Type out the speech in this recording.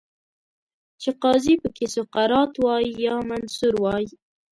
چې قاضي پکې سقراط وای، یا منصور وای